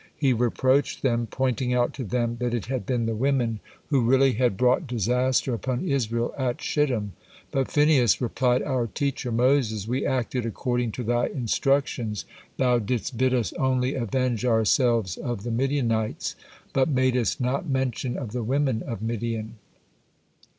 He reproached them, pointing out to them that it had been the women who really had brought disaster upon Israel at Shittim. But Phinehas replied: "Our teacher Moses, we acted according to thy instructions, thou didst bid us only 'avenge ourselves of the Midianites,' but madest not mention of the women of Midian."